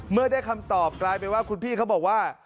เมื่อได้คำตอบกลายเป็นว่าคุณพี่เขาบอกว่า